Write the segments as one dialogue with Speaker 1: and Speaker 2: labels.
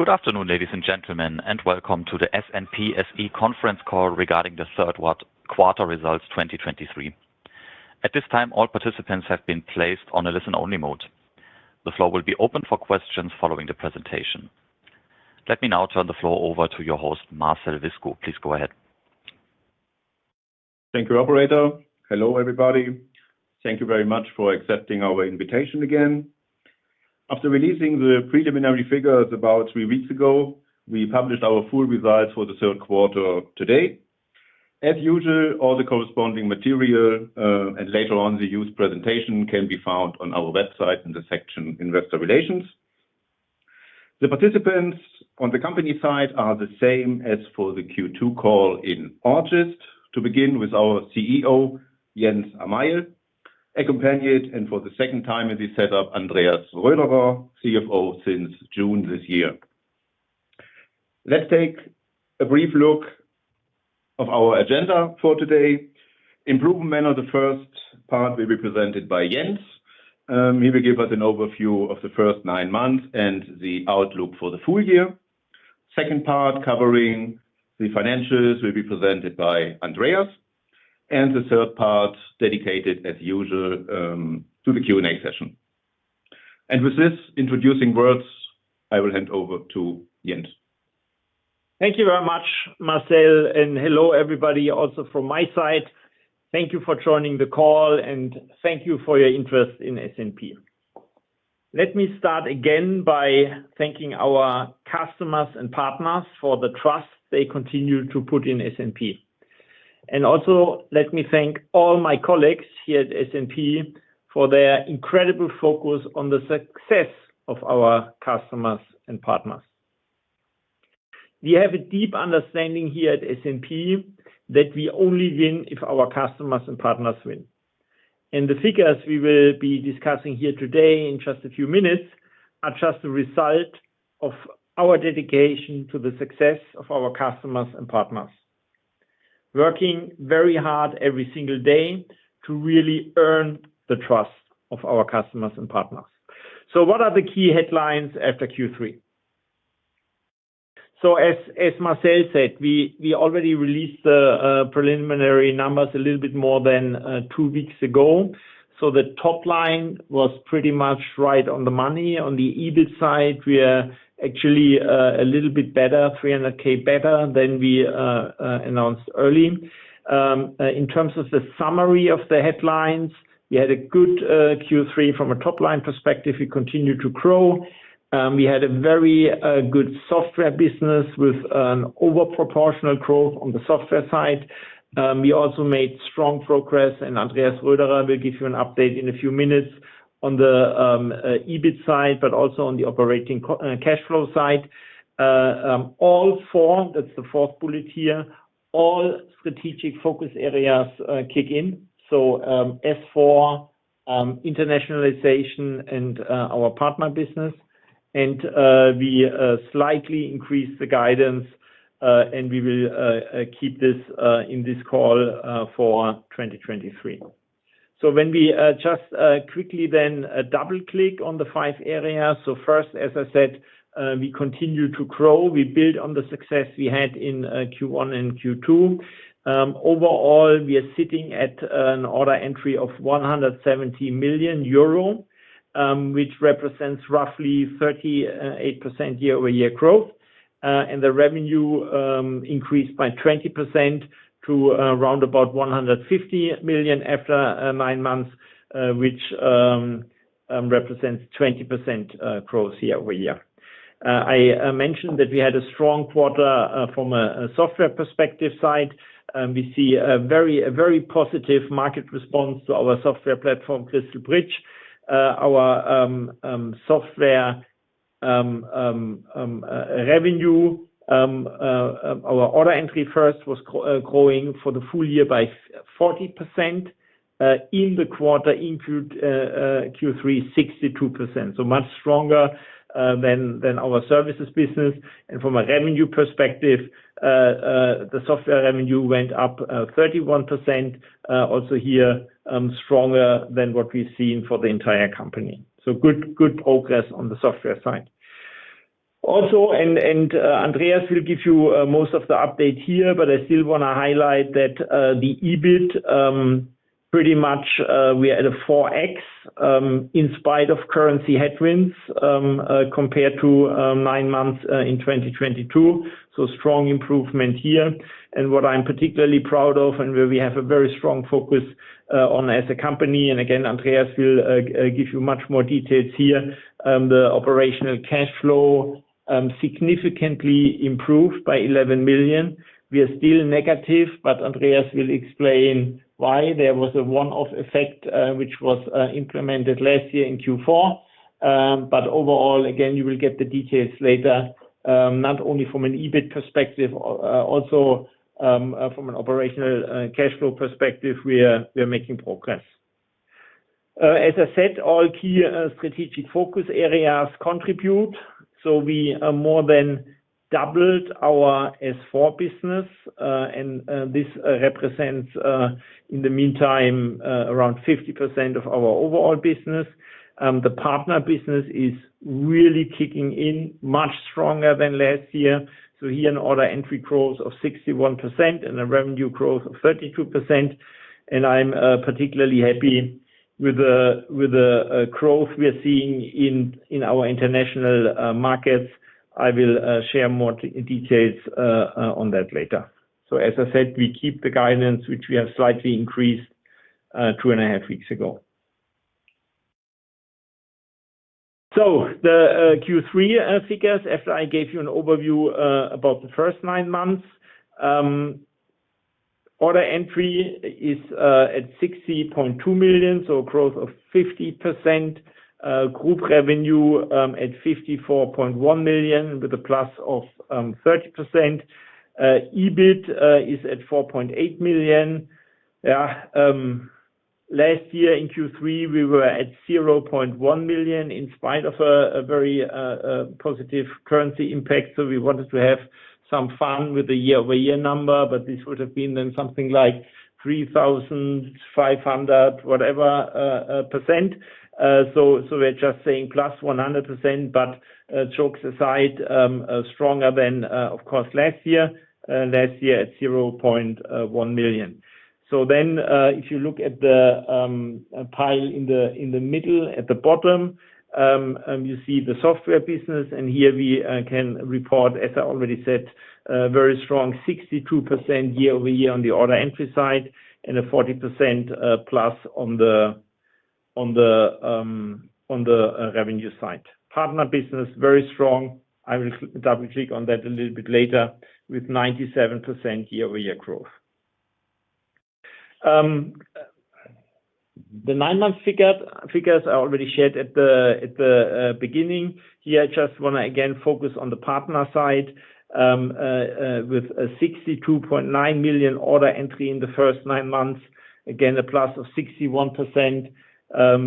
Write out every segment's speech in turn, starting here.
Speaker 1: Good afternoon, ladies and gentlemen, and welcome to the SNP SE conference call regarding the third quarter results 2023. At this time, all participants have been placed on a listen-only mode. The floor will be open for questions following the presentation. Let me now turn the floor over to your host, Marcel Wiskow. Please go ahead.
Speaker 2: Thank you, operator. Hello, everybody. Thank you very much for accepting our invitation again. After releasing the preliminary figures about three weeks ago, we published our full results for the third quarter today. As usual, all the corresponding material, and later on, the use presentation can be found on our website in the section Investor Relations. The participants on the company side are the same as for the Q2 call in August, to begin with our CEO, Jens Amail, accompanied, and for the second time in this setup, Andreas Röderer, CFO since June this year. Let's take a brief look of our agenda for today. Improvement of the first part will be presented by Jens. He will give us an overview of the first nine months and the outlook for the full year. Second part, covering the financials, will be presented by Andreas, and the third part dedicated, as usual, to the Q&A session. With this introducing words, I will hand over to Jens.
Speaker 3: Thank you very much, Marcel, and hello, everybody, also from my side. Thank you for joining the call, and thank you for your interest in SNP. Let me start again by thanking our customers and partners for the trust they continue to put in SNP. And also, let me thank all my colleagues here at SNP for their incredible focus on the success of our customers and partners. We have a deep understanding here at SNP that we only win if our customers and partners win. And the figures we will be discussing here today in just a few minutes are just a result of our dedication to the success of our customers and partners, working very hard every single day to really earn the trust of our customers and partners. So what are the key headlines after Q3? So as Marcel said, we already released the preliminary numbers a little bit more than two weeks ago, so the top line was pretty much right on the money. On the EBIT side, we are actually a little bit better, 300,000 better than we announced early. In terms of the summary of the headlines, we had a good Q3 from a top-line perspective, we continued to grow. We had a very good software business with an over proportional growth on the software side. We also made strong progress, and Andreas Röderer will give you an update in a few minutes on the EBIT side, but also on the operating cash flow side. All four, that's the fourth bullet here, all strategic focus areas kick in. So, as for internationalization and our partner business, and we slightly increased the guidance, and we will keep this in this call for 2023. So when we just quickly then double-click on the five areas. So first, as I said, we continue to grow. We build on the success we had in Q1 and Q2. Overall, we are sitting at an order entry of 170 million euro, which represents roughly 38% year-over-year growth, and the revenue increased by 20% to around about 150 million after nine months, which represents 20% growth year-over-year. I mentioned that we had a strong quarter from a software perspective side. We see a very, a very positive market response to our software platform, CrystalBridge. Our software revenue, our order entry was growing for the full year by 40%, in the quarter including Q3, 62%. So much stronger than our services business. And from a revenue perspective, the software revenue went up 31%, also here, stronger than what we've seen for the entire company. So good progress on the software side. Also, Andreas will give you most of the update here, but I still want to highlight that the EBIT, pretty much, we are at a 4x, in spite of currency headwinds, compared to nine months in 2022. Strong improvement here. What I'm particularly proud of, and where we have a very strong focus on as a company, and again, Andreas will give you much more details here. The operational cash flow significantly improved by 11 million. We are still negative, but Andreas will explain why there was a one-off effect, which was implemented last year in Q4. But overall, again, you will get the details later, not only from an EBIT perspective, also from an operational cash flow perspective, we are, we are making progress. As I said, all key strategic focus areas contribute, so we are more than doubled our S/4 business, and this represents, in the meantime, around 50% of our overall business. The partner business is really kicking in much stronger than last year. Here, an order entry growth of 61% and a revenue growth of 32%, and I'm particularly happy with the growth we are seeing in our international markets. I will share more details on that later. As I said, we keep the guidance, which we have slightly increased two and a half weeks ago. The Q3 figures, after I gave you an overview about the first nine months, order entry is at 60.2 million, so a growth of 50%, group revenue at 54.1 million, with a plus of 30%. EBIT is at 4.8 million. Yeah, last year in Q3, we were at 0.1 million, in spite of a very positive currency impact. So we wanted to have some fun with the year-over-year number, but this would have been then something like 3,500, whatever percent. So we're just saying +100%, but jokes aside, stronger than of course last year last year at 0.1 million. So then if you look at the pile in the middle at the bottom, you see the software business, and here we can report, as I already said, a very strong 62% year-over-year on the order entry side, and a 40% plus on the revenue side. Partner business, very strong. I will double-click on that a little bit later, with 97% year-over-year growth. The nine-month figures I already shared at the beginning. Here, I just want to again focus on the partner side, with a 62.9 million order entry in the first nine months. Again, a +61%.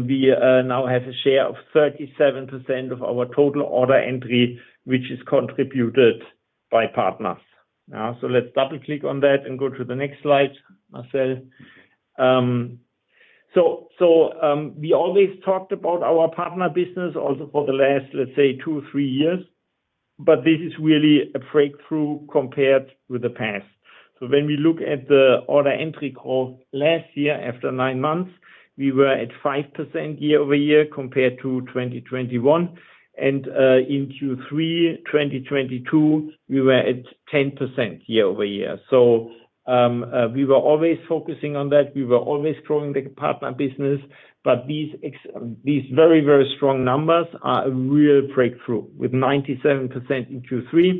Speaker 3: We now have a share of 37% of our total order entry, which is contributed by partners. So let's double-click on that and go to the next slide, Marcel. We always talked about our partner business also for the last, let's say, two, three years, but this is really a breakthrough compared with the past. So when we look at the order entry growth last year, after nine months, we were at 5% year-over-year compared to 2021, and in Q3 2022, we were at 10% year-over-year. So, we were always focusing on that. We were always growing the partner business, but these very, very strong numbers are a real breakthrough, with 97% in Q3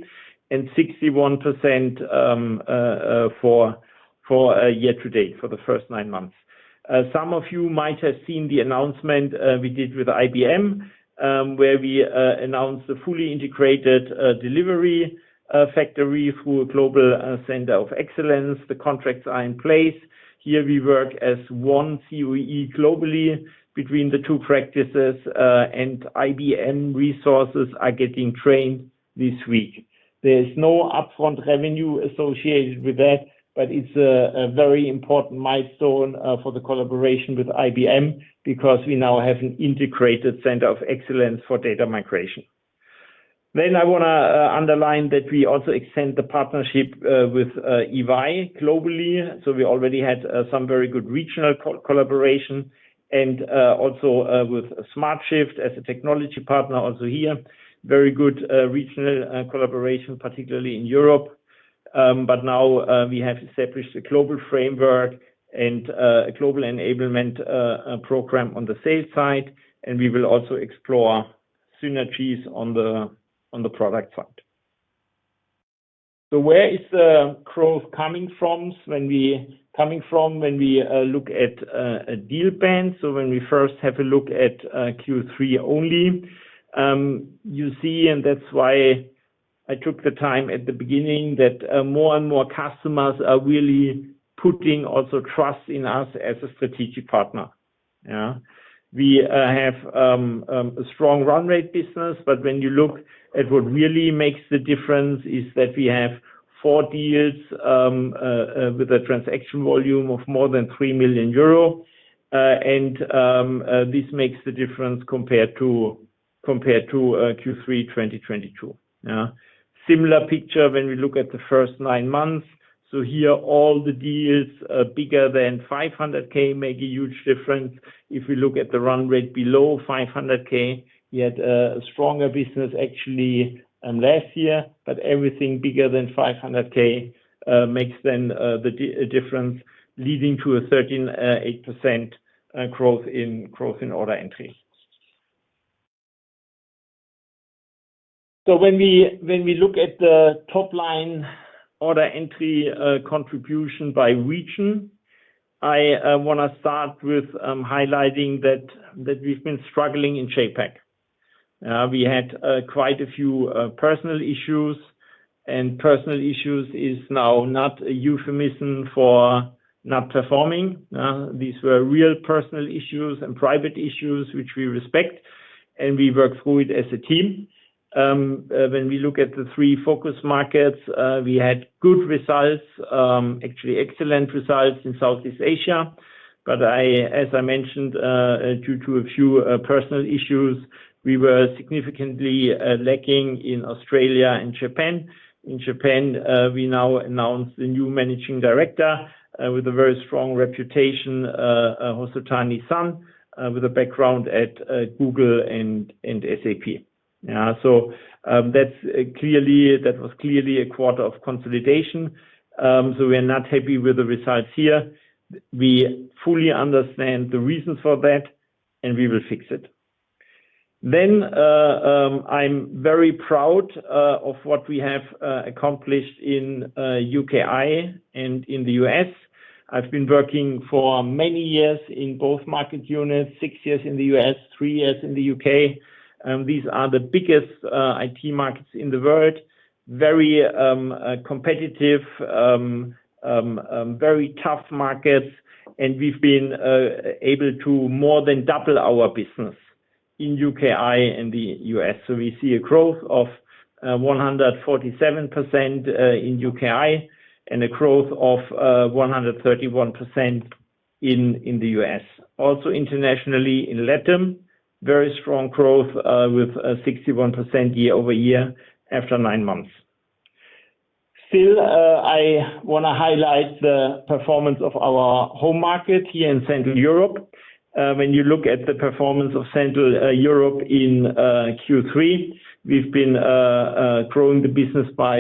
Speaker 3: and 61% for year-to-date, for the first nine months. Some of you might have seen the announcement we did with IBM, where we announced a fully integrated delivery factory through a global center of excellence. The contracts are in place. Here, we work as one CoE globally between the two practices, and IBM resources are getting trained this week. There is no upfront revenue associated with that, but it's a very important milestone for the collaboration with IBM, because we now have an integrated center of excellence for data migration. Then I wanna underline that we also extend the partnership with EY globally. So we already had some very good regional collaboration, and also with smartShift as a technology partner also here. Very good regional collaboration, particularly in Europe. But now we have established a global framework and a global enablement program on the sales side, and we will also explore synergies on the product side. So where is the growth coming from when we look at a deal band? So when we first have a look at Q3 only, you see, and that's why I took the time at the beginning, that more and more customers are really putting also trust in us as a strategic partner. Yeah. We have a strong run rate business, but when you look at what really makes the difference is that we have four deals with a transaction volume of more than 3 million euro, and this makes the difference compared to Q3 2022. Yeah. Similar picture when we look at the first nine months. So here, all the deals bigger than 500,000 make a huge difference. If we look at the run rate below 500,000, we had a stronger business actually last year, but everything bigger than 500,000 makes then the difference, leading to a 13.8% growth in order entry. So when we look at the top line order entry contribution by region, I wanna start with highlighting that we've been struggling in JAPAC. We had quite a few personal issues, and personal issues is now not a euphemism for not performing. These were real personal issues and private issues, which we respect and we work through it as a team. When we look at the three focus markets, we had good results, actually excellent results in Southeast Asia. But as I mentioned, due to a few personal issues, we were significantly lacking in Australia and Japan. In Japan, we now announced a new managing director with a very strong reputation, Hosotani-san, with a background at Google and SAP. Yeah, so, that was clearly a quarter of consolidation. So we are not happy with the results here. We fully understand the reasons for that, and we will fix it. Then, I'm very proud of what we have accomplished in U.K.I. and in the U.S. I've been working for many years in both market units, six years in the U.S., three years in the U.K. These are the biggest IT markets in the world. Very competitive, very tough markets, and we've been able to more than double our business in U.K.I. and the U.S. So we see a growth of 147% in U.K.I, and a growth of 131% in the U.S. Also, internationally in LATAM, very strong growth with a 61% year-over-year, after nine months. Still, I wanna highlight the performance of our home market here in Central Europe. When you look at the performance of Central Europe in Q3, we've been growing the business by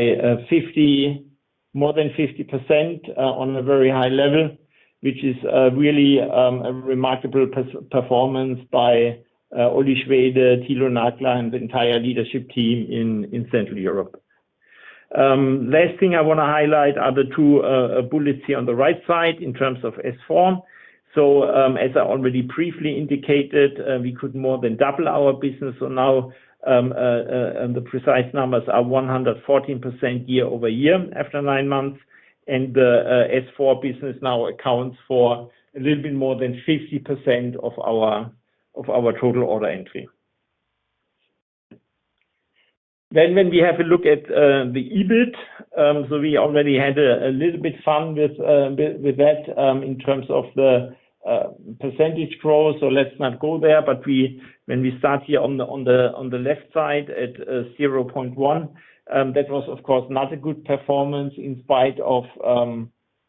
Speaker 3: more than 50% on a very high level, which is really a remarkable performance by Oli Schwede, Thilo Nagler, and the entire leadership team in Central Europe. Last thing I wanna highlight are the two bullets here on the right side in terms of S/4. So, as I already briefly indicated, we could more than double our business. So now, and the precise numbers are 114% year-over-year, after nine months, and the S/4 business now accounts for a little bit more than 50% of our total order entry. Then, when we have a look at the EBIT, so we already had a little bit fun with that in terms of the percentage growth, so let's not go there. But when we start here on the left side, at 0.1 million, that was, of course, not a good performance in spite of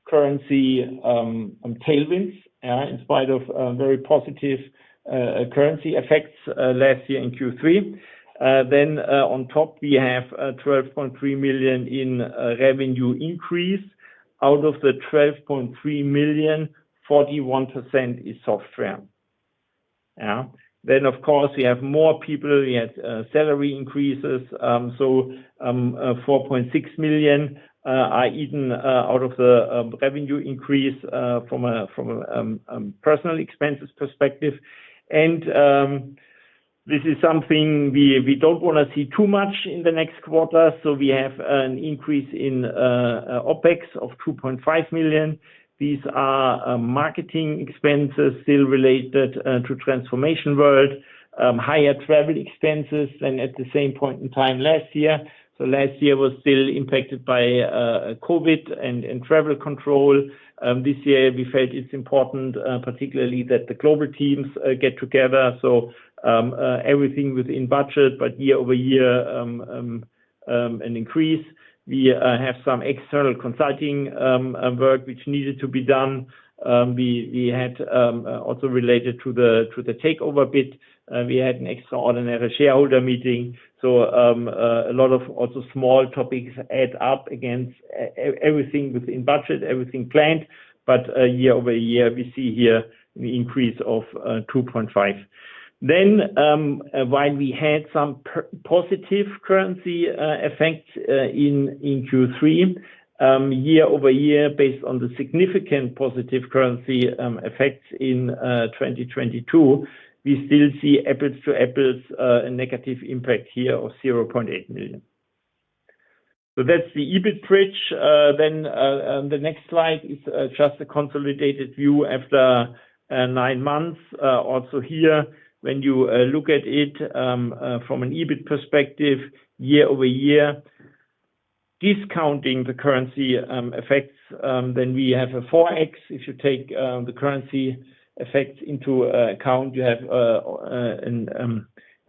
Speaker 3: currency and tailwinds, in spite of very positive currency effects last year in Q3. Then, on top, we have 12.3 million in revenue increase. Out of the 12.3 million, 41% is software. Yeah. Then, of course, we have more people, we have salary increases. So, 4.6 million are eaten out of the revenue increase from a personal expenses perspective. And this is something we don't wanna see too much in the next quarter, so we have an increase in OpEx of 2.5 million. These are marketing expenses still related to Transformation World, higher travel expenses than at the same point in time last year. So last year was still impacted by COVID and travel control. This year we felt it's important, particularly that the global teams get together, so everything within budget, but year-over-year an increase. We have some external consulting work which needed to be done. We had also related to the takeover bit, we had an extraordinary shareholder meeting. So a lot of also small topics add up against everything within budget, everything planned, but year-over-year, we see here an increase of 2.5 million. Then, while we had some positive currency effect in Q3 year-over-year, based on the significant positive currency effects in 2022, we still see apples to apples a negative impact here of 0.8 million. So that's the EBIT bridge. Then, the next slide is just a consolidated view after nine months. Also here, when you look at it from an EBIT perspective, year-over-year, discounting the currency effects, then we have a 4x. If you take the currency effects into account, you have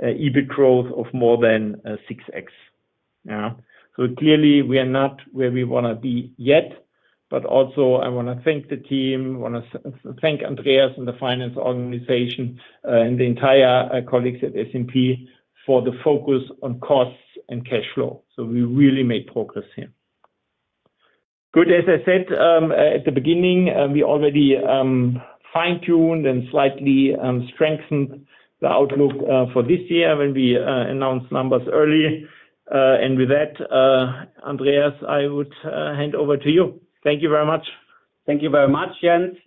Speaker 3: EBIT growth of more than 6x. Yeah. So clearly, we are not where we wanna be yet, but also, I wanna thank Andreas and the finance organization, and the entire colleagues at SNP for the focus on costs and cash flow. So we really made progress here. Good. As I said, at the beginning, we already fine-tuned and slightly strengthened the outlook for this year when we announced numbers early. And with that, Andreas, I would hand over to you. Thank you very much.
Speaker 4: Thank you very much, Jens.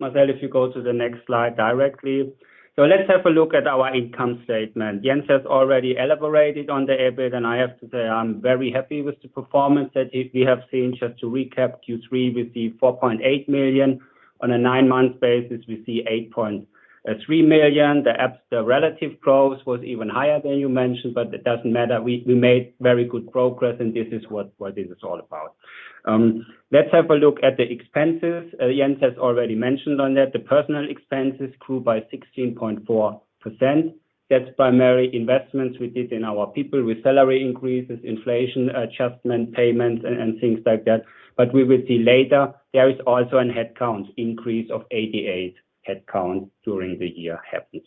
Speaker 4: Marcel, if you go to the next slide directly. So let's have a look at our income statement. Jens has already elaborated on the EBIT, and I have to say, I'm very happy with the performance that we have seen. Just to recap, Q3, we see 4.8 million. On a nine-month basis, we see 8.3 million. The EBIT, the relative growth was even higher than you mentioned, but it doesn't matter. We made very good progress, and this is what this is all about. Let's have a look at the expenses. Jens has already mentioned on that. The personnel expenses grew by 16.4%. That's primary investments we did in our people with salary increases, inflation adjustment payments, and things like that. But we will see later, there is also a headcount increase of 88 headcount during the year happened.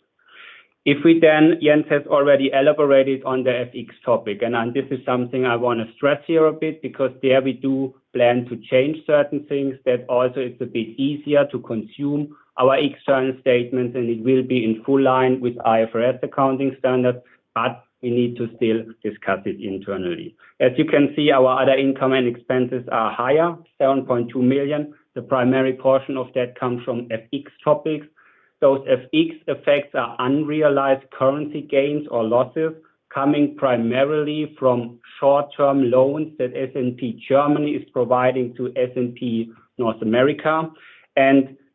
Speaker 4: If we then, Jens has already elaborated on the FX topic, and this is something I want to stress here a bit because there we do plan to change certain things that also it's a bit easier to consume our external statements, and it will be in full line with IFRS accounting standards, but we need to still discuss it internally. As you can see, our other income and expenses are higher, 7.2 million. The primary portion of that comes from FX topics. Those FX effects are unrealized currency gains or losses coming primarily from short-term loans that SNP Germany is providing to SNP North America.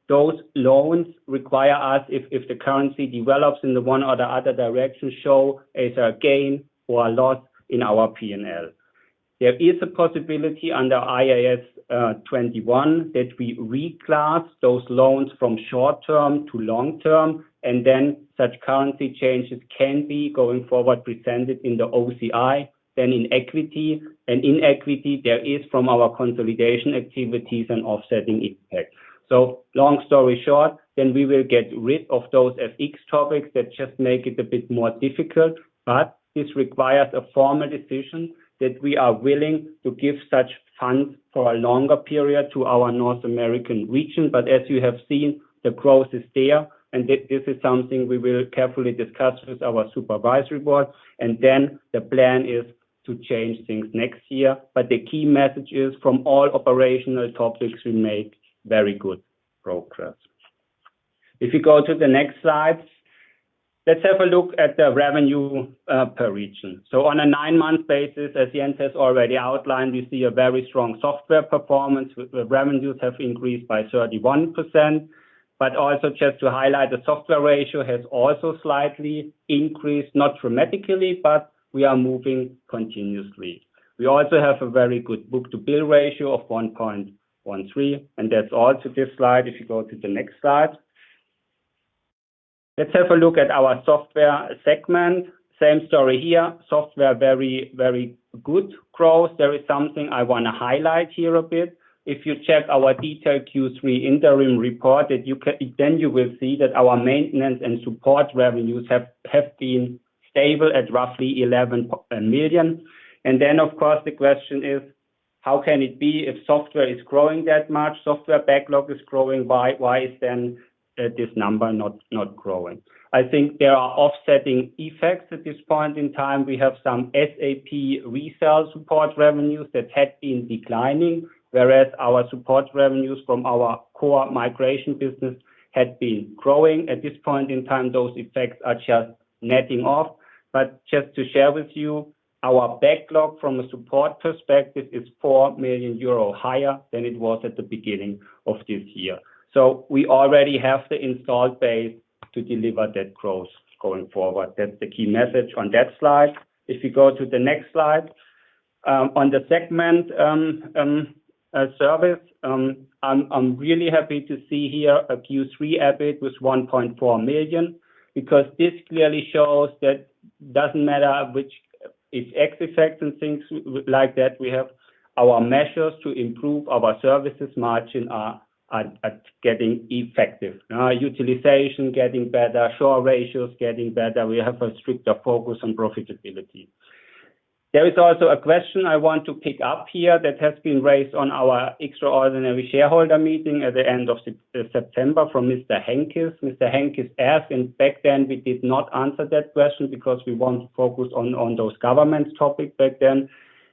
Speaker 4: Those loans require us, if the currency develops in the one or the other direction, show as a gain or a loss in our P&L. There is a possibility under IAS 21 that we reclass those loans from short term to long term, and then such currency changes can be, going forward, presented in the OCI, then in equity. And in equity, there is from our consolidation activities an offsetting impact. So long story short, then we will get rid of those FX topics that just make it a bit more difficult, but this requires a formal decision that we are willing to give such funds for a longer period to our North America region. But as you have seen, the growth is there, and this is something we will carefully discuss with our supervisory board, and then the plan is to change things next year. But the key message is, from all operational topics, we make very good progress. If you go to the next slide, let's have a look at the revenue per region. So on a nine-month basis, as Jens has already outlined, we see a very strong software performance. The revenues have increased by 31%. But also just to highlight, the software ratio has also slightly increased, not dramatically, but we are moving continuously. We also have a very good book-to-bill ratio of 1.13, and that's all to this slide. If you go to the next slide. Let's have a look at our software segment. Same story here. Software, very, very good growth. There is something I want to highlight here a bit. If you check our detailed Q3 interim report, then you can, then you will see that our maintenance and support revenues have been stable at roughly 11 million. And then, of course, the question is, how can it be if software is growing that much, software backlog is growing by, why is then this number not growing? I think there are offsetting effects at this point in time. We have some SAP resale support revenues that had been declining, whereas our support revenues from our core migration business had been growing. At this point in time, those effects are just netting off. But just to share with you, our backlog from a support perspective is 4 million euro higher than it was at the beginning of this year. So we already have the installed base to deliver that growth going forward. That's the key message on that slide. If you go to the next slide, on the service segment, I'm really happy to see here a Q3 EBIT with 1.4 million, because this clearly shows that doesn't matter which FX effects and things like that, we have our measures to improve our services margin are getting effective. Utilization getting better, shoring ratios getting better. We have a stricter focus on profitability. There is also a question I want to pick up here that has been raised on our extraordinary shareholder meeting at the end of September from Mr. Henkes. Mr. Henkes asked, and back then, we did not answer that question because we want to focus on those government topics back then.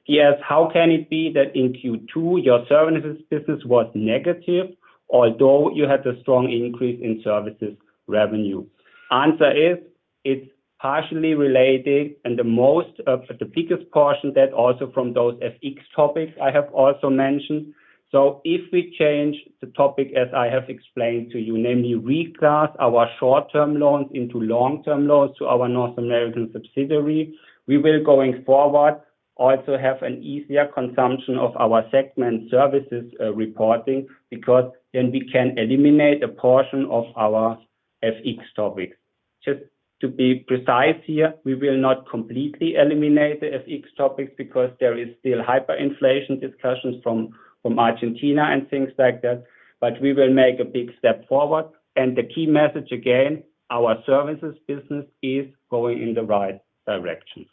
Speaker 4: He asked, "How can it be that in Q2, your services business was negative, although you had a strong increase in services revenue?" Answer is, it's partially related, and the most, the biggest portion, that also from those FX topics I have also mentioned. So if we change the topic, as I have explained to you, namely reclass our short-term loans into long-term loans to our North American subsidiary, we will, going forward, also have an easier consumption of our segment services, reporting, because then we can eliminate a portion of our FX topics. Just to be precise here, we will not completely eliminate the FX topics because there is still hyperinflation discussions from Argentina and things like that, but we will make a big step forward. And the key message, again, our services business is going in the right direction.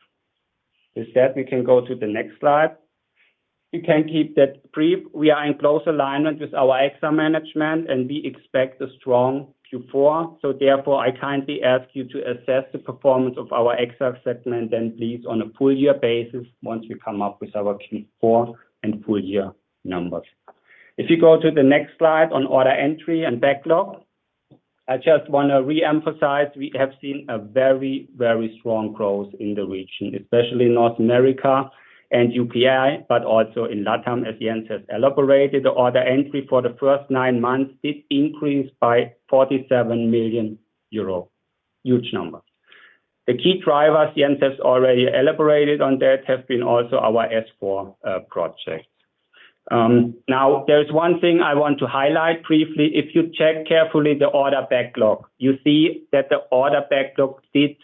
Speaker 4: With that, we can go to the next slide. You can keep that brief. We are in close alignment with our EXA management, and we expect a strong Q4. So therefore, I kindly ask you to assess the performance of our EXA segment, and please, on a full-year basis, once we come up with our Q4 and full-year numbers. If you go to the next slide on order entry and backlog. I just want to reemphasize, we have seen a very, very strong growth in the region, especially North America and U.K.I., but also in LATAM. As Jens has elaborated, the order entry for the first nine months did increase by 47 million euro. Huge number. The key drivers, Jens has already elaborated on that, have been also our S/4 projects. Now, there's one thing I want to highlight briefly. If you check carefully the order backlog, you see that the order backlog did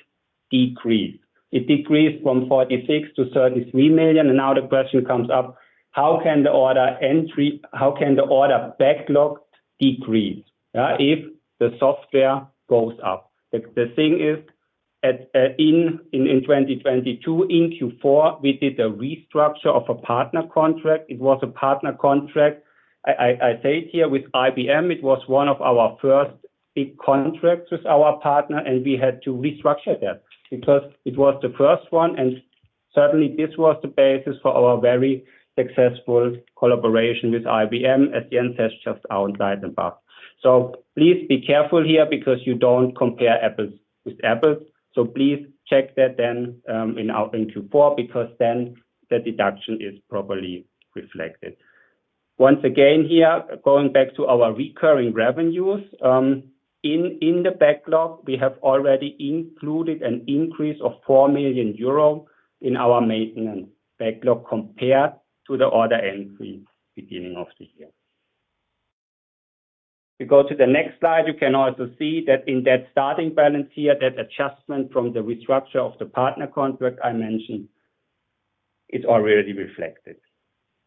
Speaker 4: decrease. It decreased from 46 million to 33 million, and now the question comes up, how can the order entry—how can the order backlog decrease, if the software goes up? The thing is, in 2022, in Q4, we did a restructure of a partner contract. It was a partner contract, I say it here with IBM, it was one of our first big contracts with our partner, and we had to restructure that because it was the first one, and certainly, this was the basis for our very successful collaboration with IBM, as Jens has just outlined above. So please be careful here because you don't compare apples with apples. So please check that then, in our Q4, because then the deduction is properly reflected. Once again, here, going back to our recurring revenues, in the backlog, we have already included an increase of 4 million euro in our maintenance backlog compared to the order entry beginning of the year. If you go to the next slide, you can also see that in that starting balance here, that adjustment from the restructure of the partner contract I mentioned, is already reflected.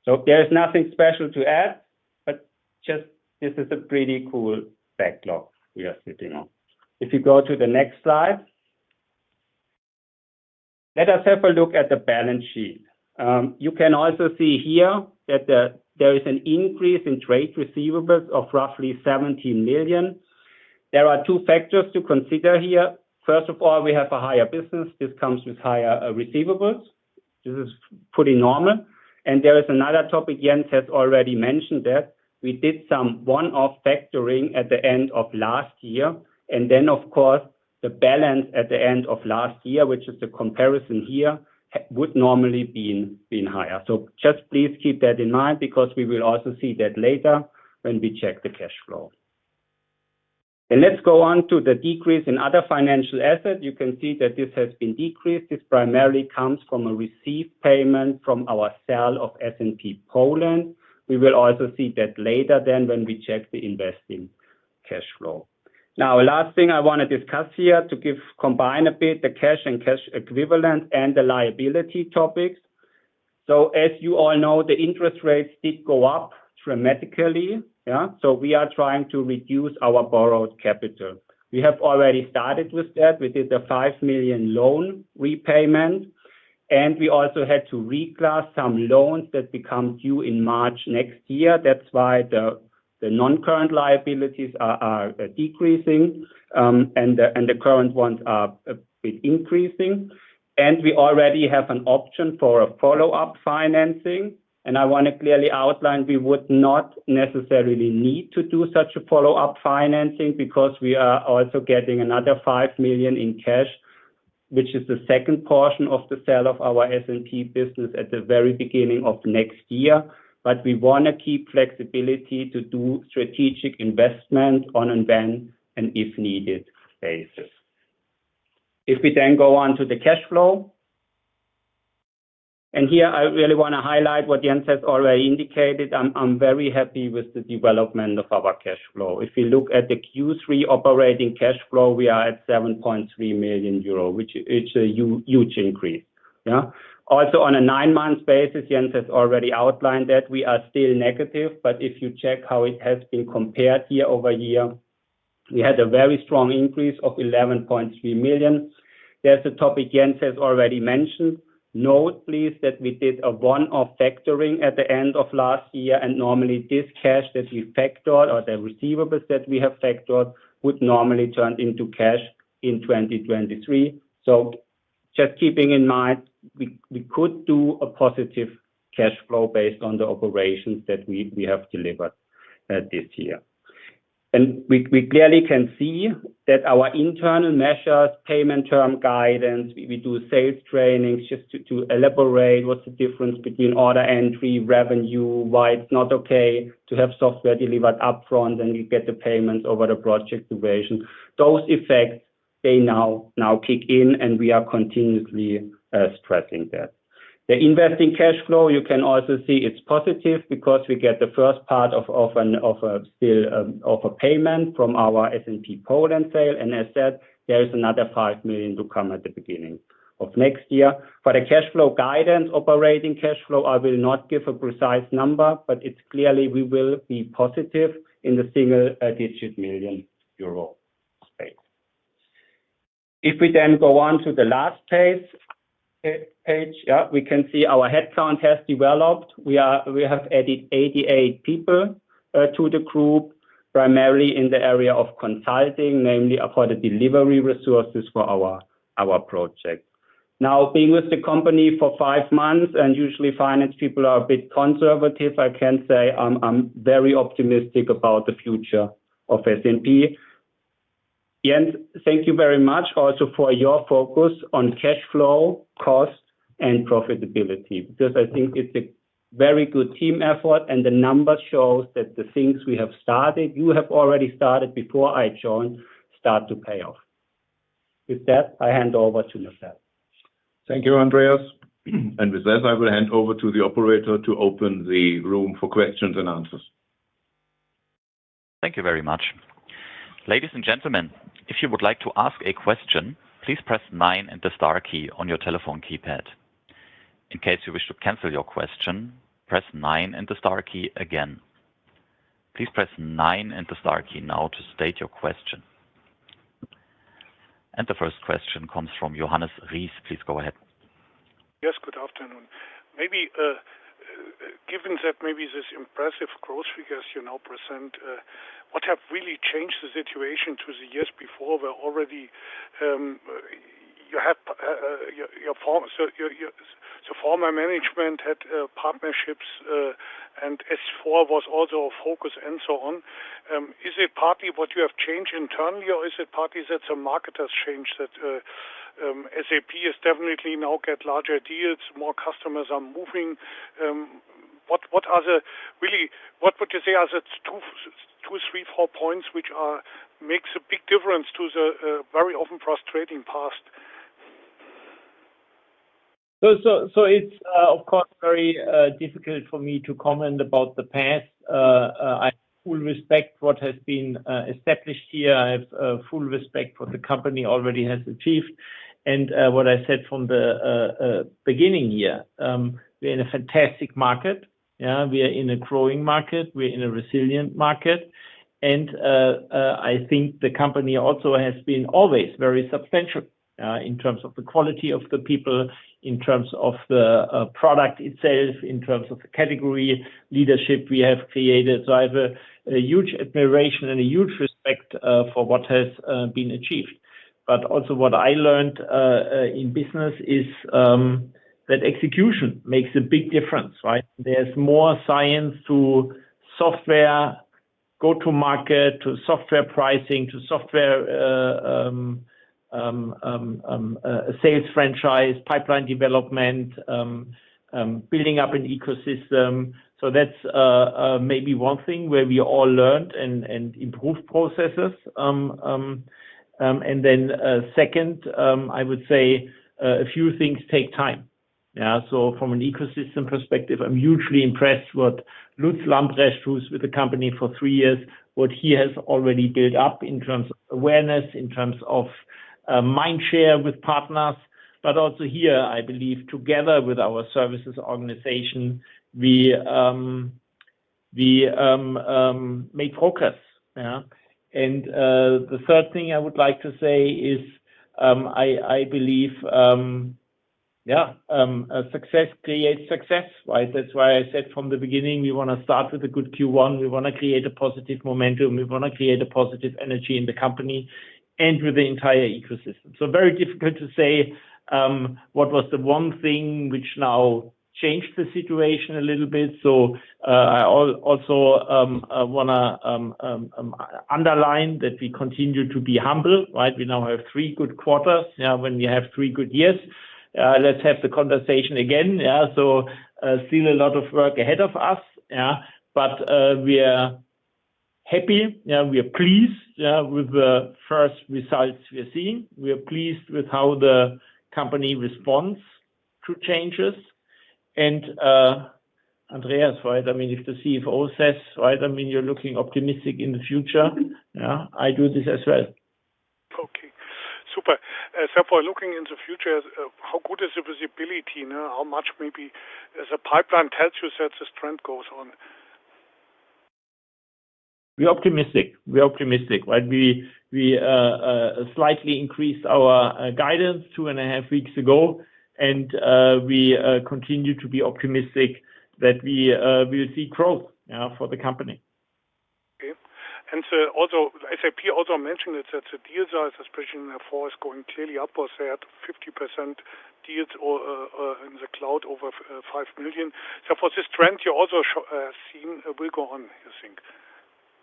Speaker 4: So there is nothing special to add, but just this is a pretty cool backlog we are sitting on. If you go to the next slide. Let us have a look at the balance sheet. You can also see here that there is an increase in trade receivables of roughly 17 million. There are two factors to consider here. First of all, we have a higher business. This comes with higher receivables. This is pretty normal, and there is another topic. Jens has already mentioned that. We did some one-off factoring at the end of last year, and then, of course, the balance at the end of last year, which is the comparison here, would normally been higher. So just please keep that in mind because we will also see that later when we check the cash flow. And let's go on to the decrease in other financial assets. You can see that this has been decreased. This primarily comes from a received payment from our sale of SNP Poland. We will also see that later then when we check the investing cash flow. Now, last thing I want to discuss here, to give combine a bit the cash and cash equivalent and the liability topics. So as you all know, the interest rates did go up dramatically. Yeah. So we are trying to reduce our borrowed capital. We have already started with that. We did a 5 million loan repayment, and we also had to reclass some loans that become due in March next year. That's why the non-current liabilities are decreasing, and the current ones are a bit increasing. And we already have an option for a follow-up financing. And I want to clearly outline, we would not necessarily need to do such a follow-up financing because we are also getting another 5 million in cash, which is the second portion of the sale of our SNP business at the very beginning of next year. But we want to keep flexibility to do strategic investment on, and when, and if needed basis. If we then go on to the cash flow, and here I really want to highlight what Jens has already indicated. I'm very happy with the development of our cash flow. If you look at the Q3 operating cash flow, we are at 7.3 million euro, which is a huge increase. Yeah. Also, on a nine-month basis, Jens has already outlined that we are still negative, but if you check how it has been compared year-over-year, we had a very strong increase of 11.3 million. There's a topic Jens has already mentioned. Note, please, that we did a one-off factoring at the end of last year, and normally this cash that we factored or the receivables that we have factored would normally turn into cash in 2023. So just keeping in mind, we could do a positive cash flow based on the operations that we have delivered this year. We clearly can see that our internal measures, payment term guidance, we do sales trainings just to elaborate what's the difference between order entry, revenue, why it's not okay to have software delivered upfront, and you get the payment over the project duration. Those effects, they now kick in and we are continuously stressing that. The investing cash flow, you can also see it's positive because we get the first part of a sale of a payment from our SNP Poland sale. As said, there is another 5 million to come at the beginning of next year. For the cash flow guidance, operating cash flow, I will not give a precise number, but it's clearly we will be positive in the single-digit million euro space. If we then go on to the last page, yeah, we can see our headcount has developed. We have added 88 people to the group, primarily in the area of consulting, namely for the delivery resources for our projects. Now, being with the company for five months, and usually, finance people are a bit conservative, I can say I'm very optimistic about the future of SNP. Jens, thank you very much also for your focus on cash flow, cost, and profitability, because I think it's a very good team effort, and the numbers shows that the things we have started, you have already started before I joined, start to pay off. With that, I hand over to Marcel.
Speaker 2: Thank you, Andreas. And with that, I will hand over to the operator to open the room for questions and answers.
Speaker 1: Thank you very much. Ladies and gentlemen, if you would like to ask a question, please press nine and the star key on your telephone keypad. In case you wish to cancel your question, press nine and the star key again. Please press nine and the star key now to state your question. The first question comes from Johannes Ries. Please go ahead.
Speaker 5: Yes, good afternoon. Maybe, given that maybe this impressive growth figures, you now present, what have really changed the situation to the years before, where already, you had, your, your form-- So your, your, so former management had, partnerships, and S/4 was also a focus and so on. Is it partly what you have changed internally, or is it partly that the market has changed, that, SAP has definitely now get larger deals, more customers are moving? What, what are the... Really, what would you say are the two, two, three, four points, which are, makes a big difference to the, very often frustrating past?
Speaker 3: So it's, of course, very difficult for me to comment about the past. I have full respect what has been established here. I have full respect for the company already has achieved. And what I said from the beginning here, we're in a fantastic market. Yeah, we are in a growing market, we're in a resilient market, and I think the company also has been always very substantial in terms of the quality of the people, in terms of the product itself, in terms of the category leadership we have created. So I have a huge admiration and a huge respect for what has been achieved. But also what I learned in business is that execution makes a big difference, right? There's more science to software, go-to market, to software pricing, to software, sales franchise, pipeline development, building up an ecosystem. So that's maybe one thing where we all learned and, and improved processes. And then, second, I would say, a few things take time. Yeah, so from an ecosystem perspective, I'm hugely impressed what Lutz Lambrecht, who's with the company for three years, what he has already built up in terms of awareness, in terms of, mind share with partners, but also here, I believe, together with our services organization, we, we make progress. Yeah. And, the third thing I would like to say is, I, I believe, yeah, success creates success, right? That's why I said from the beginning, we want to start with a good Q1. We want to create a positive momentum. We want to create a positive energy in the company and with the entire ecosystem. So very difficult to say what was the one thing which now changed the situation a little bit. So, I also want to underline that we continue to be humble, right? We now have three good quarters. Yeah, when we have three good years, let's have the conversation again. Yeah, so, still a lot of work ahead of us, yeah, but, we are happy, yeah, we are pleased, yeah, with the first results we are seeing. We are pleased with how the company responds to changes. And, Andreas, right? I mean, if the CFO says, right, I mean, you're looking optimistic in the future, yeah, I do this as well.
Speaker 5: Okay, super. So for looking in the future, how good is the visibility now? How much maybe does the pipeline tells you that this trend goes on?
Speaker 3: We're optimistic. We're optimistic, right? We slightly increased our guidance 2.5 weeks ago, and we continue to be optimistic that we'll see growth for the company.
Speaker 5: Okay. SAP also mentioned that the deals are, especially in the first, going clearly up or say at 50% deals or in the cloud over 5 million. So for this trend, you also seeing will go on, you think,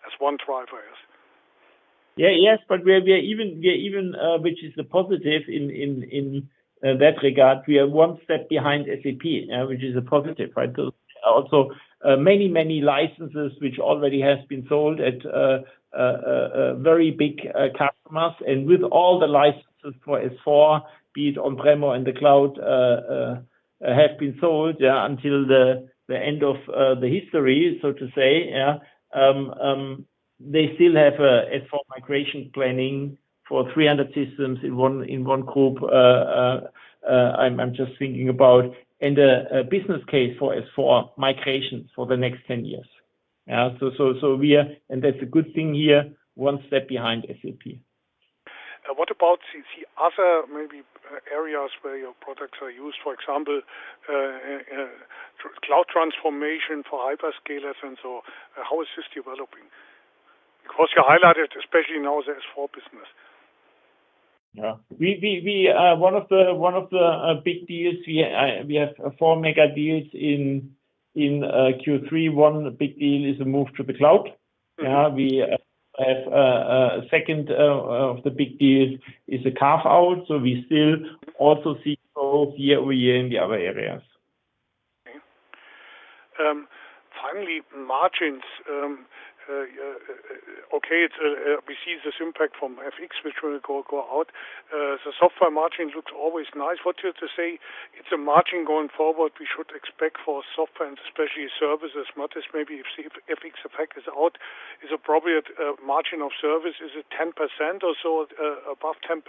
Speaker 5: as one driver, yes?
Speaker 3: Yeah. Yes, but we are even, which is a positive in that regard, we are one step behind SAP, which is a positive, right? So also, many, many licenses, which already has been sold at very big customers, and with all the licenses for S/4, be it on prem or in the cloud, have been sold, yeah, until the end of the history, so to say, yeah. They still have a S/4 migration planning for 300 systems in one group. I'm just thinking about a business case for S/4 migration for the next 10 years. So we are, and that's a good thing here, one step behind SAP.
Speaker 5: And what about the other maybe areas where your products are used, for example, cloud transformation for hyperscalers, and so how is this developing? Of course, you highlighted especially now the S/4 business.
Speaker 4: Yeah, one of the big deals, we have four mega deals in Q3. One big deal is a move to the cloud. Yeah, we have second of the big deals is a carve-out, so we still also see growth year-over-year in the other areas.
Speaker 5: Okay. Finally, margins. Okay, it's we see this impact from FX, which will go out. The software margins looks always nice for you to say it's a margin going forward, we should expect for software and especially service as much as maybe you've seen FX effect is out, is appropriate, margin of service, is it 10% or so, above 10%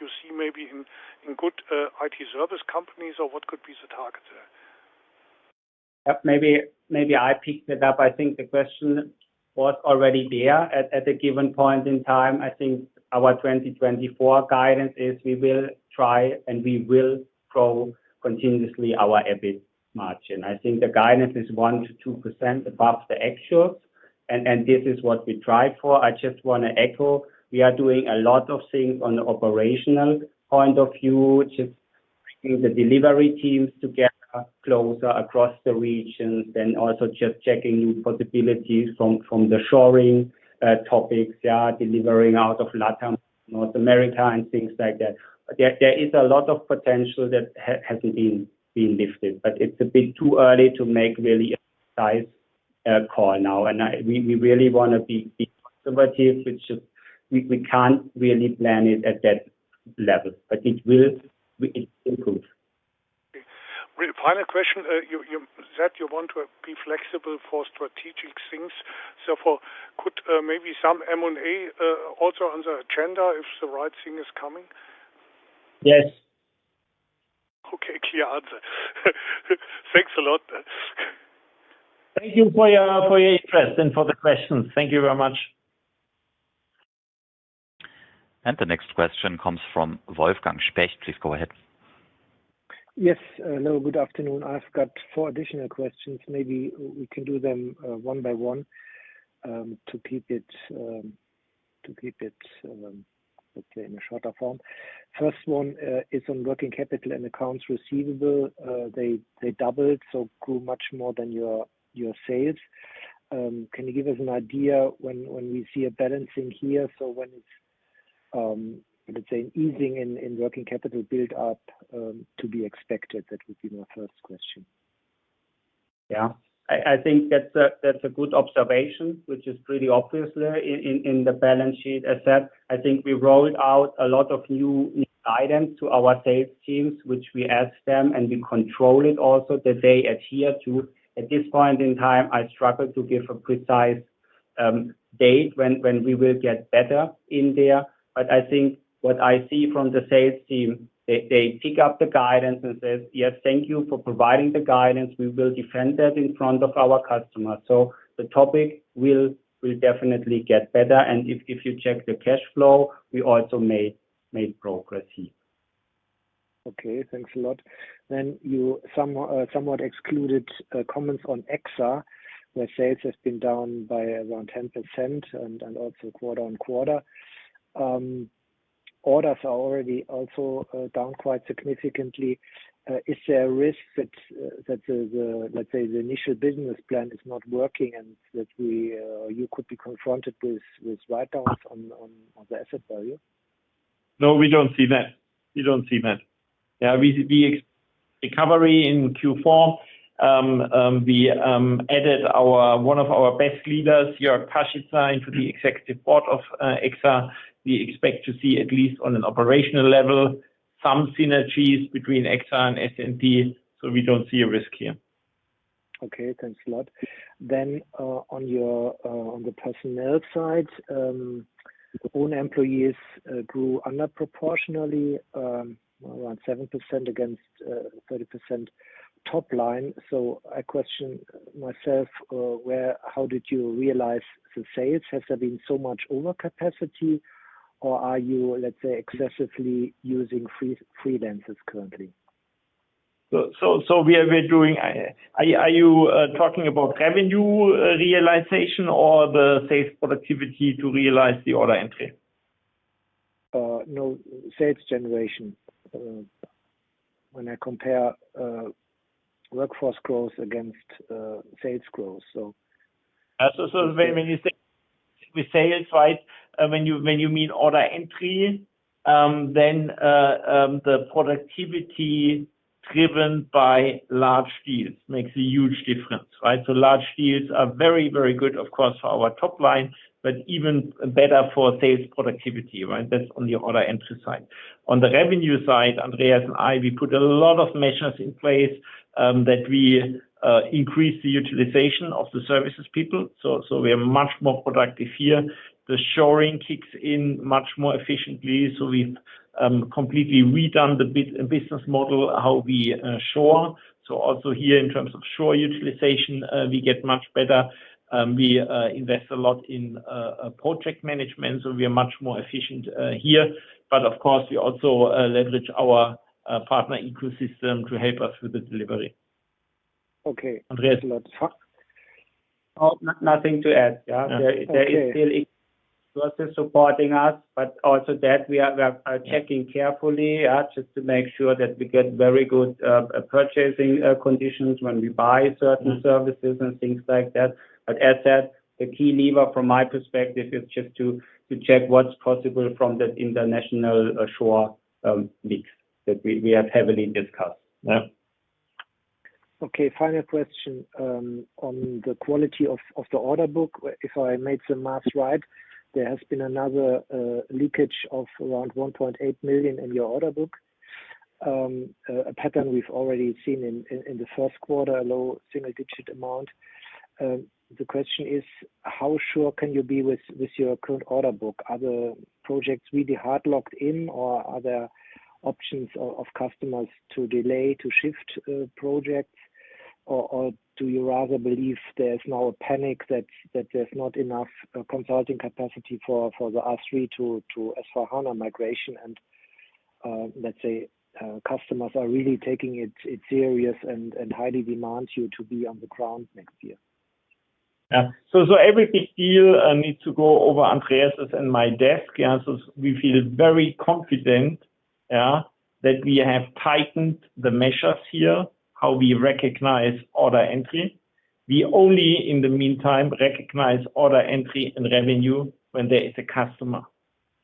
Speaker 5: you see maybe in good IT service companies, or what could be the target there?
Speaker 4: Yep. Maybe, maybe I picked it up. I think the question was already there at a given point in time. I think our 2024 guidance is we will try, and we will grow continuously our EBIT margin. I think the guidance is 1%-2% above the actual, and this is what we try for. I just want to echo, we are doing a lot of things on the operational point of view, just bringing the delivery teams together closer across the regions, and also just checking new possibilities from the shoring topics. They are delivering out of Latin, North America, and things like that. But there is a lot of potential that hasn't been lifted, but it's a bit too early to make really a size call now. And we really want to be conservative. It's just we can't really plan it at that level, but it will improve.
Speaker 5: Okay. Well, final question. You, that you want to be flexible for strategic things. So, could maybe some M&A also on the agenda if the right thing is coming?
Speaker 4: Yes.
Speaker 5: Okay, clear answer. Thanks a lot.
Speaker 4: Thank you for your, for your interest and for the questions. Thank you very much.
Speaker 1: The next question comes from Wolfgang Specht. Please go ahead.
Speaker 6: Yes. Hello, good afternoon. I've got four additional questions. Maybe we can do them one by one, to keep it, let's say, in a shorter form. First one is on working capital and accounts receivable. They doubled, so grew much more than your sales. Can you give us an idea when we see a balancing here? So when it's, let's say, an easing in working capital build up to be expected? That would be my first question.
Speaker 3: Yeah. I think that's a good observation, which is pretty obvious there in the balance sheet asset. I think we rolled out a lot of new guidance to our sales teams, which we ask them, and we control it also, that they adhere to. At this point in time, I struggle to give a precise date when we will get better in there. But I think what I see from the sales team, they pick up the guidance and says, "Yes, thank you for providing the guidance. We will defend that in front of our customers." So the topic will definitely get better, and if you check the cash flow, we also made progress here.
Speaker 6: Okay. Thanks a lot. Then you somewhat excluded comments on EXA, where sales have been down by around 10% and also quarter-over-quarter. Orders are already also down quite significantly. Is there a risk that the initial business plan is not working and that you could be confronted with write-downs on the asset value?
Speaker 3: No, we don't see that. We don't see that. Yeah, recovery in Q4, we added one of our best leaders, Jörg Parschitzki, to the executive board of EXA. We expect to see, at least on an operational level, some synergies between EXA and SNP, so we don't see a risk here.
Speaker 6: Okay. Thanks a lot. Then, on the personnel side, your own employees grew under proportionally, around 7% against 30% top line. So I question myself, how did you realize the sales? Has there been so much overcapacity, or are you, let's say, excessively using freelancers currently?
Speaker 3: So, we are, we're doing... Are you talking about revenue realization or the sales productivity to realize the order entry?
Speaker 6: No, sales generation. When I compare workforce growth against sales growth, so-
Speaker 3: So, so when, when you say with sales, right, when you, when you mean order entry, then, the productivity driven by large deals makes a huge difference, right? So large deals are very, very good, of course, for our top line, but even better for sales productivity, right? That's on the order entry side. On the revenue side, Andreas and I, we put a lot of measures in place, that we increase the utilization of the services people, so, so we are much more productive here. The shoring kicks in much more efficiently, so we've completely redone the business model, how we shore. So also here, in terms of shore utilization, we get much better. We invest a lot in project management, so we are much more efficient here. But of course, we also leverage our partner ecosystem to help us with the delivery.
Speaker 6: Okay, Andreas, lot to talk?
Speaker 4: Oh, nothing to add. Yeah.
Speaker 6: Okay.
Speaker 4: There is still sources supporting us, but also that we are checking carefully just to make sure that we get very good purchasing conditions when we buy certain services and things like that. But as said, the key lever from my perspective is just to, to check what's possible from the international shoring mix that we, we have heavily discussed. Yeah.
Speaker 6: Okay, final question on the quality of the order book. If I made the math right, there has been another leakage of around 1.8 million in your order book. A pattern we've already seen in the first quarter, a low single-digit amount. The question is, how sure can you be with your current order book? Are the projects really hard locked in, or are there options of customers to delay, to shift projects? Or do you rather believe there's now a panic that there's not enough consulting capacity for the R/3 to S/4HANA migration and, let's say, customers are really taking it serious and highly demand you to be on the ground next year?
Speaker 3: Yeah. So, so every big deal needs to go over Andreas's and my desk. Yeah, so we feel very confident, yeah, that we have tightened the measures here, how we recognize order entry. We only, in the meantime, recognize order entry and revenue when there is a customer.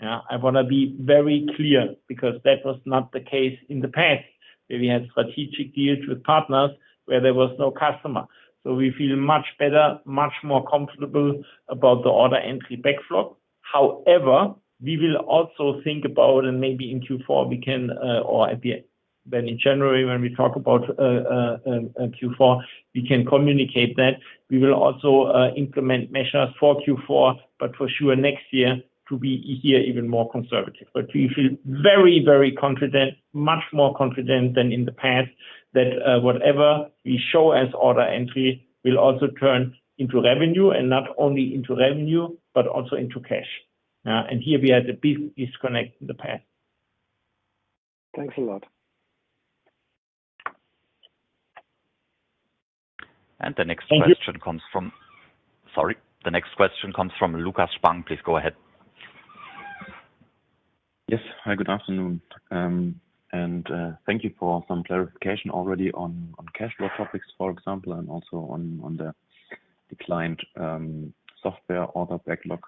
Speaker 3: Yeah. I want to be very clear because that was not the case in the past, where we had strategic deals with partners where there was no customer. So we feel much better, much more comfortable about the order entry backlog. However, we will also think about, and maybe in Q4, we can, or at the—well, in January, when we talk about Q4, we can communicate that. We will also implement measures for Q4, but for sure, next year, to be here even more conservative. But we feel very, very confident, much more confident than in the past, that, whatever we show as order entry will also turn into revenue, and not only into revenue, but also into cash. And here we had a big disconnect in the past.
Speaker 6: Thanks a lot.
Speaker 1: The next question-
Speaker 6: Thank you.
Speaker 3: Sorry. The next question comes from Lukas Spang. Please go ahead.
Speaker 7: Yes. Hi, good afternoon. And, thank you for some clarification already on, on cash flow topics, for example, and also on, on the declined, software order backlog.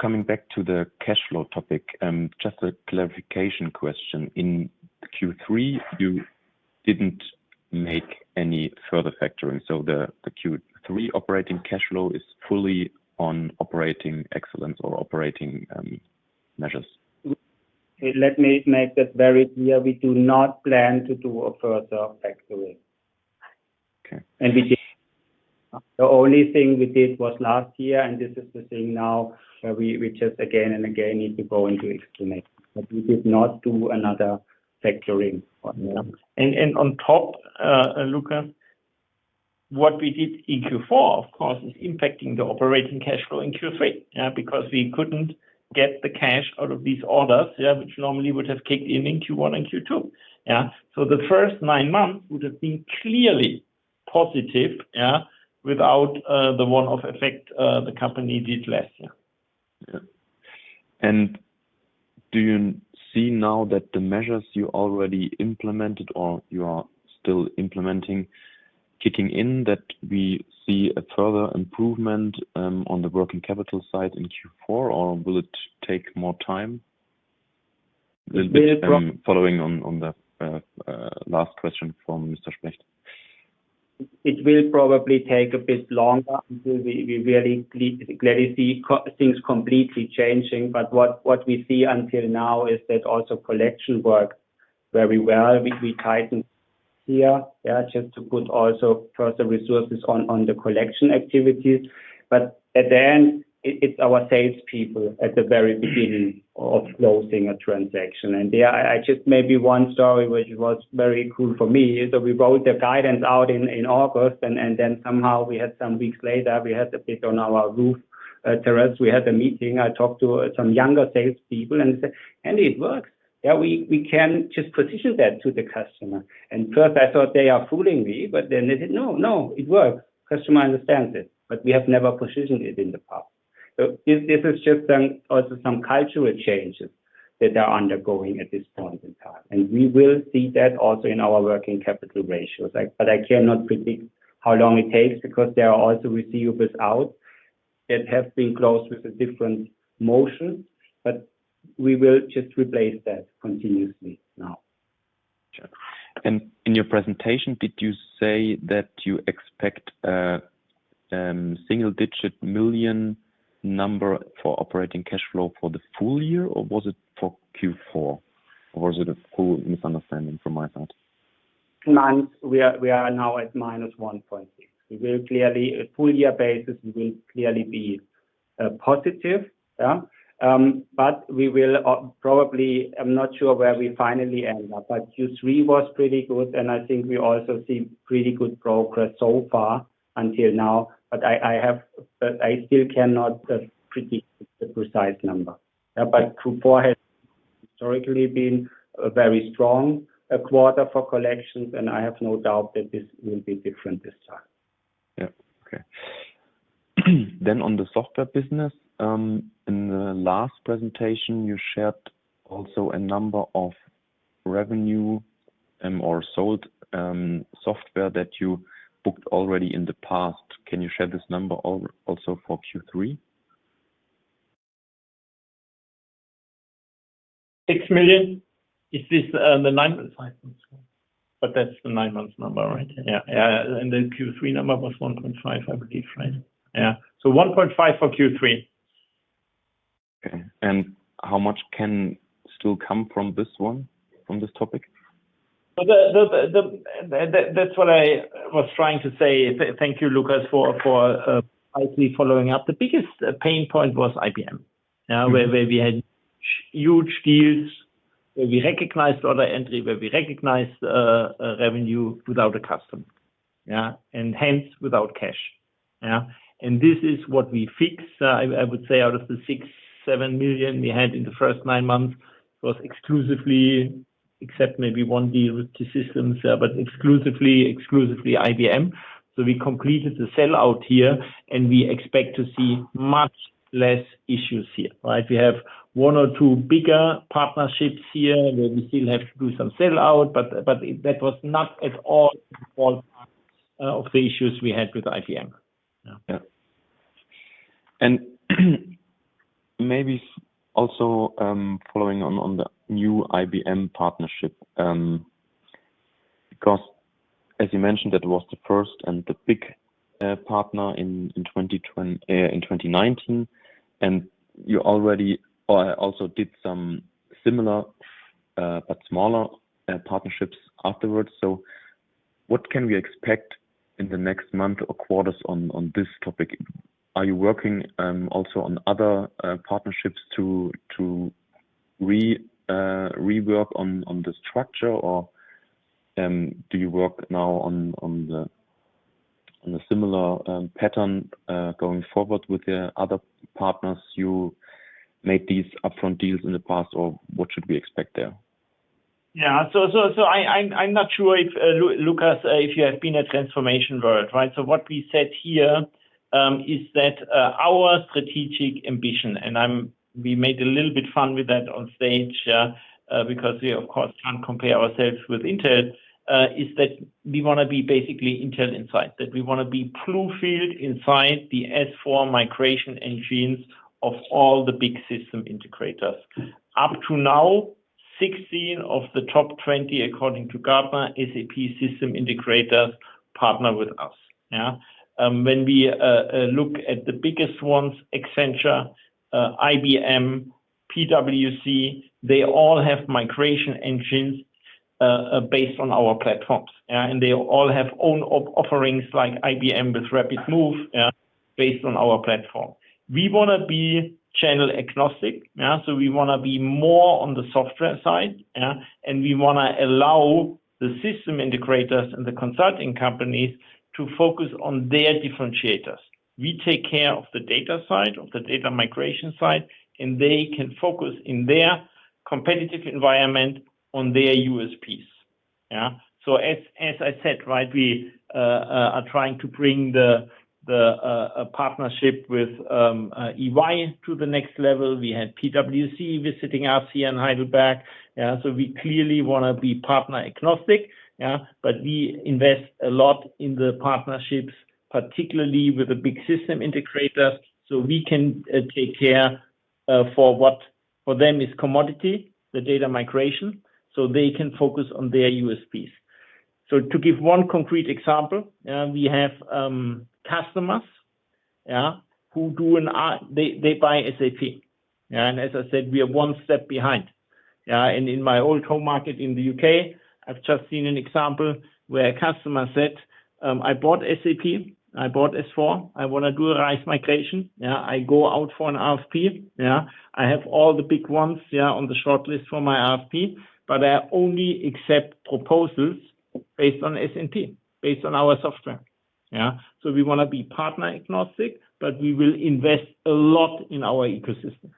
Speaker 7: Coming back to the cash flow topic, just a clarification question. In Q3, you didn't make any further factoring, so the, the Q3 operating cash flow is fully on operating excellence or operating, measures?
Speaker 4: Let me make that very clear. We do not plan to do a further factoring.
Speaker 7: Okay.
Speaker 4: And we did. The only thing we did was last year, and this is the same now, where we just again and again need to go in to explain it, but we did not do another factoring for now.
Speaker 3: On top, Lukas, what we did in Q4, of course, is impacting the operating cash flow in Q3, yeah, because we couldn't get the cash out of these orders, yeah, which normally would have kicked in in Q1 and Q2. Yeah. So the first nine months would have been clearly positive, yeah, without the one-off effect, the company did last year.
Speaker 7: Yeah. And do you see now that the measures you already implemented or you are still implementing, kicking in, that we see a further improvement, on the working capital side in Q4, or will it take more time?
Speaker 4: Will it pro-
Speaker 7: Following on the last question from Mr. Specht.
Speaker 4: It will probably take a bit longer until we really clearly see things completely changing, but what we see until now is that also collection work very well. We tightened here, yeah, just to put also further resources on the collection activities. But at the end, it's our salespeople at the very beginning of closing a transaction. And yeah, I just maybe one story, which was very cool for me, is that we wrote the guidance out in August, and then somehow we had some weeks later, we had a bit on our roof terrace. We had a meeting. I talked to some younger salespeople and said, "And it works. Yeah, we can just position that to the customer." And first, I thought they are fooling me, but then they said, "No, no, it works. Customer understands it, but we have never positioned it in the past." So this is just some, also some cultural changes that they are undergoing at this point in time. And we will see that also in our working capital ratios. But I cannot predict how long it takes because there are also receivables out that have been closed with a different motion, but we will just replace that continuously now.
Speaker 7: Sure. In your presentation, did you say that you expect single-digit million number for operating cash flow for the full year, or was it for Q4? Or was it a full misunderstanding from my side?
Speaker 4: Minus, we are now at -1.6 million. We will clearly, a full year basis, we will clearly be positive. Yeah. But we will probably, I'm not sure where we finally end up, but Q3 was pretty good, and I think we also see pretty good progress so far until now. But I still cannot predict the precise number. But Q4 has historically been a very strong quarter for collections, and I have no doubt that this will be different this time.
Speaker 7: Yeah. Okay. Then on the software business, in the last presentation, you shared also a number of revenue, or sold, software that you booked already in the past. Can you share this number also for Q3?
Speaker 3: EUR 6 million. Is this the nine months? But that's the nine months number, right? Yeah, yeah, and the Q3 number was 1.5 million, I believe, right? Yeah. So 1.5 million for Q3.
Speaker 7: Okay. And how much can still come from this one, from this topic?
Speaker 3: So that's what I was trying to say. Thank you, Lukas, for actually following up. The biggest pain point was IBM, yeah, where we had huge deals, where we recognized order entry, where we recognized revenue without a customer, yeah, and hence, without cash. Yeah. And this is what we fixed. I would say out of the 6 million-7 million we had in the first nine months was exclusively, except maybe one deal with the systems, but exclusively IBM. So we completed the sellout here, and we expect to see much less issues here, right? We have one or two bigger partnerships here, where we still have to do some sellout, but that was not at all the issues we had with IBM.
Speaker 7: Yeah. And maybe also, following on the new IBM partnership, because as you mentioned, that was the first and the big partner in 2019, and you already, or also did some similar, but smaller, partnerships afterwards. So what can we expect in the next month or quarters on this topic? Are you working also on other partnerships to rework on the structure, or do you work now on a similar pattern going forward with the other partners you made these upfront deals in the past, or what should we expect there?
Speaker 3: Yeah. I'm not sure if Lukas, if you have been at Transformation World, right? So what we said here is that our strategic ambition, and we made a little bit fun with that on stage, because we, of course, can't compare ourselves with Intel, is that we wanna be basically Intel inside, that we wanna be BLUEFIELD inside the S/4 migration engines of all the big system integrators. Up to now, 16 of the top 20, according to Gartner, SAP system integrators, partner with us. Yeah? When we look at the biggest ones, Accenture, IBM, PwC, they all have migration engines based on our platforms, yeah, and they all have own offerings like IBM with Rapid Move, yeah, based on our platform. We wanna be channel agnostic, yeah? So we wanna be more on the software side, yeah, and we wanna allow the system integrators and the consulting companies to focus on their differentiators. We take care of the data side, of the data migration side, and they can focus in their competitive environment on their USPs. Yeah? So as I said, right, we are trying to bring a partnership with EY to the next level. We had PwC visiting us here in Heidelberg, yeah, so we clearly wanna be partner agnostic, yeah, but we invest a lot in the partnerships, particularly with the big system integrators, so we can take care of what for them is commodity, the data migration, so they can focus on their USPs. So to give one concrete example, we have customers, yeah, who do an... They buy SAP, yeah, and as I said, we are one step behind. Yeah, and in my old home market in the U.K., I've just seen an example where a customer said, "I bought SAP, I bought S/4, I wanna do a RISE migration. Yeah, I go out for an RFP, yeah. I have all the big ones, yeah, on the shortlist for my RFP, but I only accept proposals based on SAP, based on our software." Yeah, so we wanna be partner agnostic, but we will invest a lot in our ecosystem.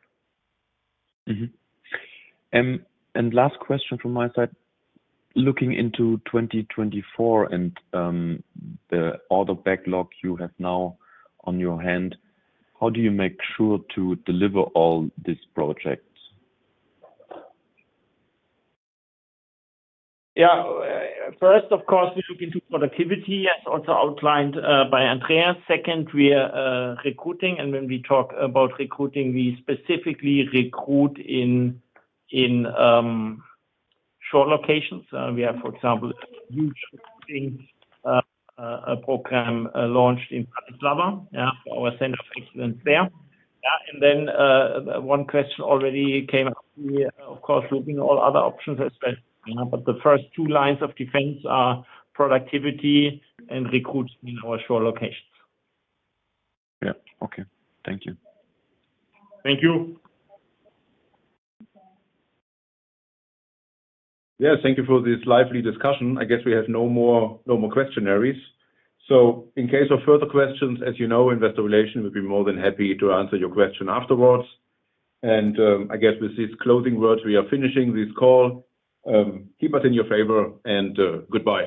Speaker 7: Mm-hmm. And last question from my side: looking into 2024 and the order backlog you have now on hand, how do you make sure to deliver all these projects?
Speaker 3: Yeah. First, of course, we look into productivity, as also outlined by Andreas. Second, we are recruiting, and when we talk about recruiting, we specifically recruit in shore locations. We have, for example, huge recruiting program launched in Bratislava, yeah, our center of excellence there. Yeah, and then one question already came up, we, of course, looking at all other options as well, you know, but the first two lines of defense are productivity and recruiting in our shore locations.
Speaker 7: Yeah. Okay. Thank you.
Speaker 3: Thank you.
Speaker 2: Yeah, thank you for this lively discussion. I guess we have no more, no more questionnaires. So in case of further questions, as you know, investor relations will be more than happy to answer your question afterwards. And, I guess with these closing words, we are finishing this call. Keep us in your favor, and goodbye.